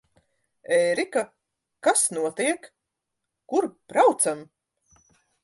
Ērika, kas notiek? Kur braucam?